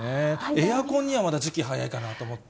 エアコンにはまだ時期早いかなと思って。